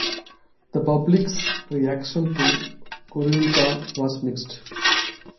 The public's reaction to "Guernica" was mixed.